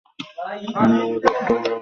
আমি আমার প্যাট্রোল রাউন্ডে যাচ্ছি।